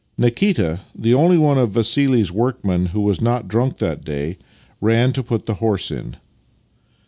Nikita — the only one of Vassili's workmen who was not drunk that day — ran to put the horse in.